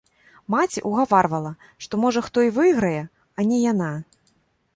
Маці ўгаварвала, што, можа, хто і выйграе, а не яна.